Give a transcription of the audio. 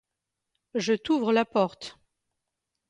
Je t’ouvre la porte.